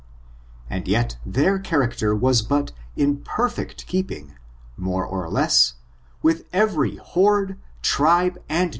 And yet their character was but in perfect keeping, more or less, with every horde, tribe, and